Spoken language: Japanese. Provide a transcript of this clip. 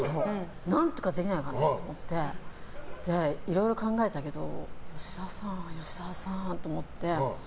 何とかできないかと思っていろいろ考えたけど吉沢さんと思って。